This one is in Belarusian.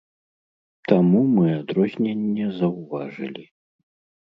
Таму мы адрозненне заўважылі.